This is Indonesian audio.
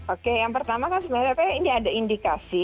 oke yang pertama kan sebenarnya ini ada indikasi